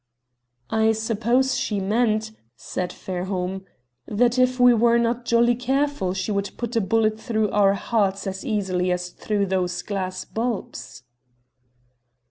"I suppose she meant," said Fairholme "that if we were not jolly careful she would put a bullet through our hearts as easily as through those glass bulbs."